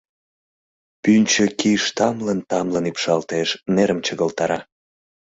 Пӱнчӧ киш тамлын-тамлын ӱпшалтеш, нерым чыгылтара.